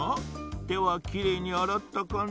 てはきれいにあらったかな？